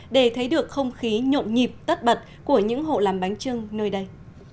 để thấy được không khí nhộn nhịp tất bật của những hộ làm bánh trưng nơi đây